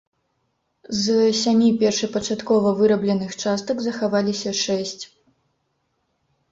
З сямі першапачаткова вырабленых частак захаваліся шэсць.